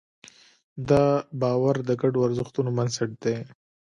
دا باور د ګډو ارزښتونو بنسټ دی.